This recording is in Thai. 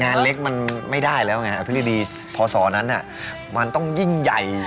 งานเล็กมันไม่ได้แล้วพอสตรนั้นดีมันต้องยิ่งใหญ่